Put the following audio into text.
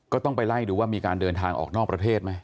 ก็ต้องไปไล่ดูว่ามีการเดินทางออกนอกประเทศไหม